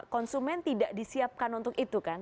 konsumen tidak disiapkan untuk itu kan